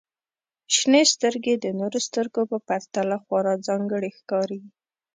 • شنې سترګې د نورو سترګو په پرتله خورا ځانګړې ښکاري.